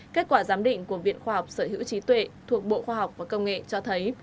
kết quả giám định của viện khoa học sở hữu trí tuệ thuộc bộ khoa học và công nghệ cho thấy